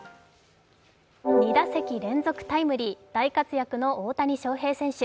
２打席連続タイムリー大活躍の大谷翔平選手。